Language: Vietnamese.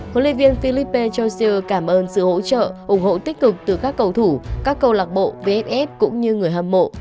huấn luyện viên felipe jussier cảm ơn sự hỗ trợ ủng hộ tích cực từ các cầu thủ các cầu lạc bộ vff cũng như người hâm mộ